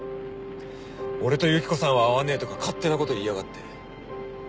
俺とユキコさんは合わねえとか勝手なこと言いやがって。